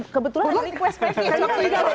kebetulan request package waktu itu